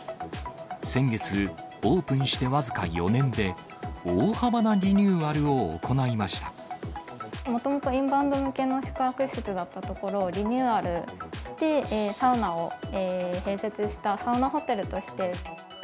先月、オープンして僅か４年で、もともと、インバウンド向けの宿泊施設だった所を、リニューアルして、サウナを併設した、サウナホテルとして。